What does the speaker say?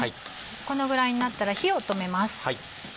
このぐらいになったら火を止めます。